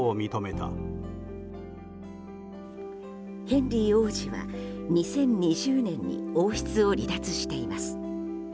ヘンリー王子は２０２０年に王室を離脱しています。